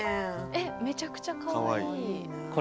えっめちゃくちゃかわいい。